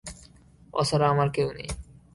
ও ছাড়া আমার কেউ নেই।